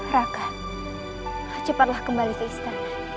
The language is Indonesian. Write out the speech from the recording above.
raka cepatlah kembali ke istana